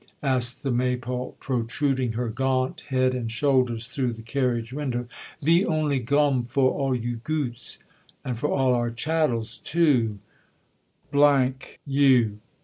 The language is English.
asked the Maypole, protruding her gaunt head and shoulders through the carriage window. "Ve only gom for all your goots." "And for all our chattels, too, you!"